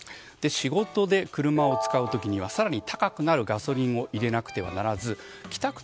仕事で車を使う時には更に高くなるガソリンを入れなくてはならず帰宅